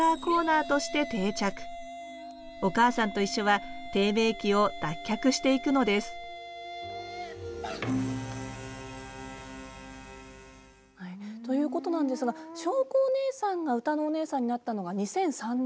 「おかあさんといっしょ」は低迷期を脱却していくのですはいということなんですがしょうこお姉さんが歌のお姉さんになったのが２００３年。